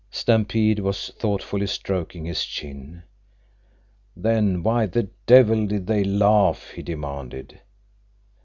Stampede was thoughtfully stroking his chin. "Then why the devil did they laugh!" he demanded.